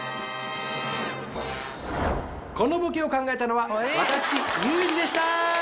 このボケを考えたのは私ユージでした。